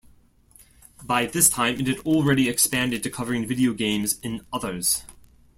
By this time, it had already expanded to covering video games and others.